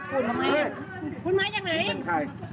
คุณมายังไง